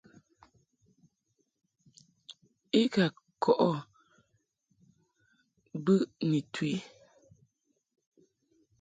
I ka kɔʼɨ bɨ ni tu i.